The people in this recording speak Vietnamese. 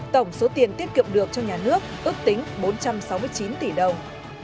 tổng số tiền tiết kiệm được cho nhà nước ước tính bốn trăm sáu mươi chín tỷ đồng